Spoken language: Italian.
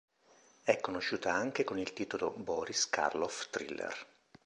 È conosciuta anche con il titolo Boris Karloff's Thriller.